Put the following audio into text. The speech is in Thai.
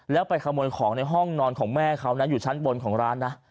แล้วไปขโมยของในห้องนอนของแม่เขานะอยู่ชั้นบนของร้านนะ